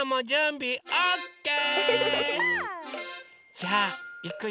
じゃあいくよ。